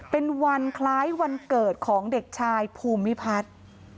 เป็นวันคล้ายวันเกิดของเด็กชายภูมิพัฒน์